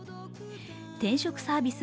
転職サービス